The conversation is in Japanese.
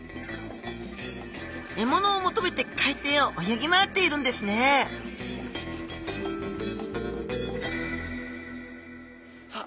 えものを求めて海底を泳ぎ回っているんですねさあ